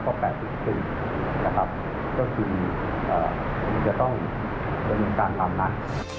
ก็คือมันจะต้องจำนวนการตามนั้น